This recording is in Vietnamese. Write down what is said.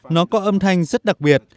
nó có âm thanh rất đặc biệt